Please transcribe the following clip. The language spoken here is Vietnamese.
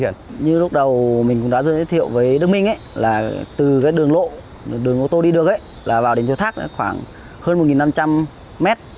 như lúc đầu mình cũng đã giới thiệu với đức minh là từ đường lộ đường ô tô đi được là vào đến cái thác khoảng hơn một năm trăm linh m